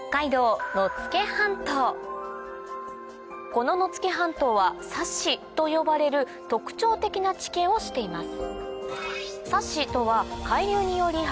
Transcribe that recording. この野付半島は砂嘴と呼ばれる特徴的な地形をしています